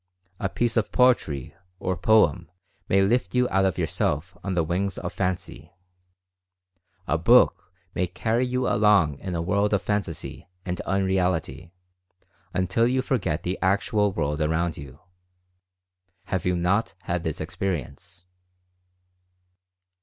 A piece of poetry, or poem, may lift you out of yourself on the wings of Fancy. A book may carry you along in a world of fantasy and unreality, until you forget the actual world around you — have you not had this ex perience?